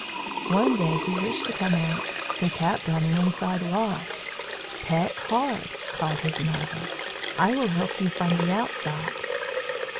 One day he wished to come out. He tapped on the inside wall. "Peck hard," called his mother. "I will help you from the outside."